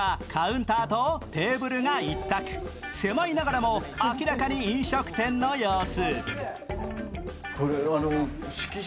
狭いながらも明らかに飲食店の様子。